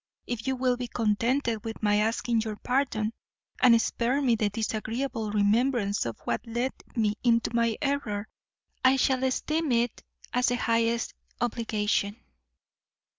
If you will be contented with my asking your pardon, and spare me the disagreeable remembrance of what led me into my error, I shall esteem it as the highest obligation."